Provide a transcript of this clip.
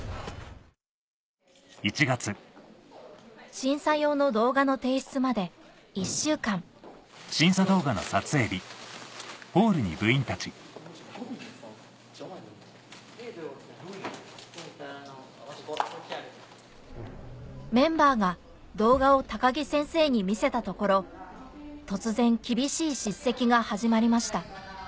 審査用の動画の提出まで１週間メンバーが動画を高木先生に見せたところ突然厳しい叱責が始まりました